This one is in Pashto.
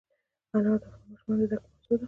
انار د افغان ماشومانو د زده کړې موضوع ده.